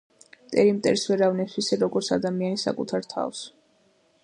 მტერი მტერს ვერ ავნებს ისე როგრც ადამიანი საკუთარ თავს.